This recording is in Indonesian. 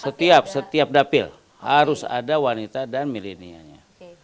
setiap setiap dapil harus ada wanita dan millennial nya